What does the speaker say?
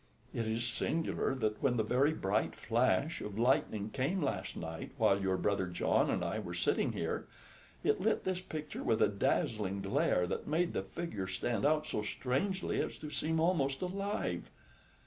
It is singular that when the very bright flash of lightning came last night while your brother John and I were sitting here, it lit this picture with a dazzling glare that made the figure stand out so strangely as to seem almost alive.